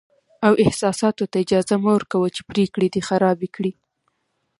او احساساتو ته اجازه مه ورکوه چې پرېکړې دې خرابې کړي.